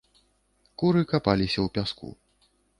Куры капаліся ў пяску.